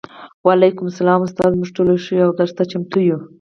وعلیکم السلام استاده موږ ټول ښه یو او درس ته چمتو یو